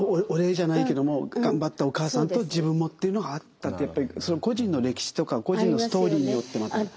お礼じゃないけども頑張ったお母さんと自分もっていうのがあったってやっぱり個人の歴史とか個人のストーリーによってまた。